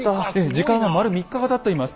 時間は丸３日がたっています。